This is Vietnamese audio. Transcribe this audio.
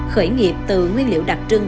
khởi nghiệp từ nguyên liệu đặc trưng